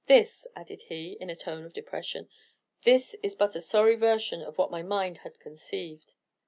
This," added he, in a tone of depression, "this is but a sorry version of what my mind had conceived."